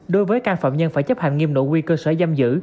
đối với can phạm nhân phải chấp hạm nghiêm nội quy cơ sở giam giữ